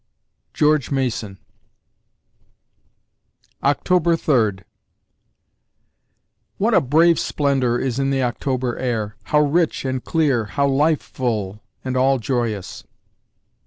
GEORGE MASON October Third What a brave splendour Is in the October air! How rich and clear How life full, and all joyous!